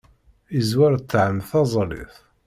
Izwar ṭṭɛam taẓallit.